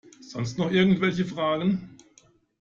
Sonst noch irgendwelche Fragen?